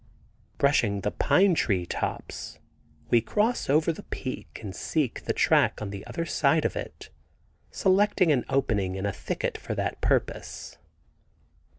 Brushing the pine tree tops, we cross over the peak and seek the track on the other side of it, selecting an opening in a thicket for that purpose.